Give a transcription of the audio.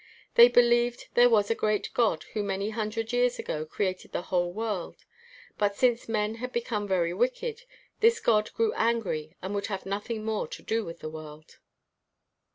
They believed there was a great god who many hundred years ago created the whole world; but, since men had become very wicked, this god grew angry and would have nothing more to do with the world.